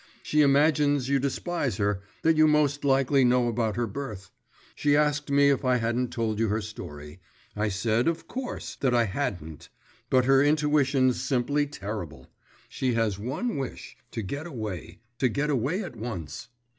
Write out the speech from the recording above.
She imagines you despise her, that you most likely know about her birth; she asked me if I hadn't told you her story, I said, of course, that I hadn't; but her intuition's simply terrible. She has one wish, to get away, to get away at once.